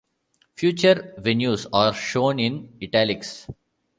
Future venues are shown in "italics".